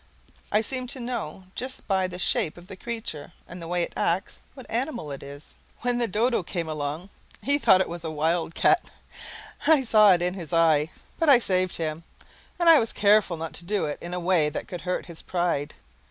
I seem to know just by the shape of the creature and the way it acts what animal it is. When the dodo came along he thought it was a wildcat I saw it in his eye. But I saved him. And I was careful not to do it in a way that could hurt his pride.